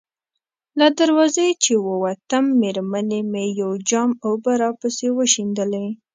له دروازې چې ووتم، مېرمنې مې یو جام اوبه راپسې وشیندلې.